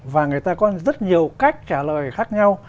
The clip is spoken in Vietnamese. và người ta có rất nhiều cách trả lời khác nhau